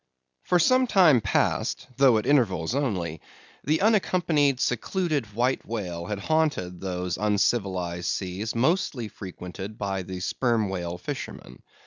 For some time past, though at intervals only, the unaccompanied, secluded White Whale had haunted those uncivilized seas mostly frequented by the Sperm Whale fishermen.